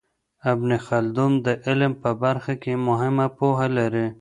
ابن خلدون د علم په برخه کي مهمه پوهه لري.